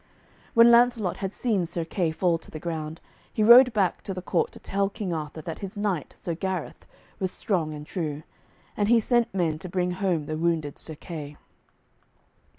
When Lancelot had seen Sir Kay fall to the ground, he rode back to the court to tell King Arthur that his knight, Sir Gareth, was strong and true. And he sent men to bring home the wounded Sir Kay.